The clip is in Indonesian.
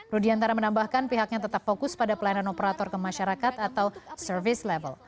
rudiantara menambahkan pihaknya tetap fokus pada pelayanan operator ke masyarakat atau service level